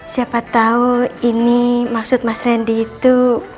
siapa tau ini maksud mas rendiku